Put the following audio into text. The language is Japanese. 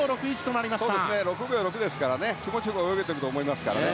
６秒６ですから気持ちよく泳げていると思いますから。